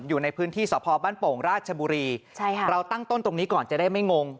อยู่ในพื้นที่สพบ้านโป่งราชบุรีใช่ค่ะเราตั้งต้นตรงนี้ก่อนจะได้ไม่งง